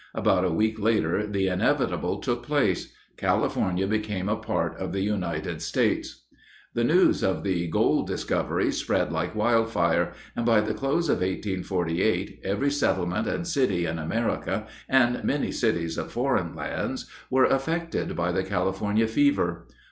About a week later the inevitable took place. California became a part of the United States. The news of the gold discovery spread like wildfire, and by the close of 1848 every settlement and city in America and many cities of foreign lands were affected by the California fever.